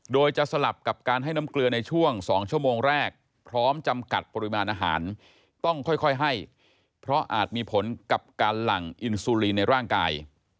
โดยจะสลับกับการให้น้ำเกลือในช่วง๒ชั่วโมงแรกพร้อมจำกัดปริมาณอาหารต้องค่อยให้เพราะอาจมีผลกับการหลั่งอินซูลีในร่างกาย